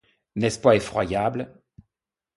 N'était-ce pas effroyable?